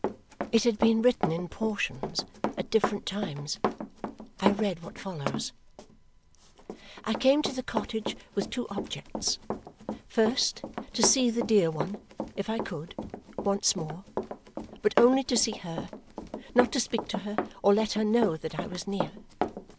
It had been written in portions, at different times. I read what follows: I came to the cottage with two objects. First, to see the dear one, if I could, once more but only to see her not to speak to her or let her know that I was near.